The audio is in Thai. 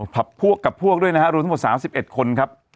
ผับพวกกับพวกด้วยนะฮะรวมทั้งหมดสามสิบเอ็ดคนครับ